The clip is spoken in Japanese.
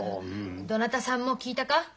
どなたさんも聞いたか？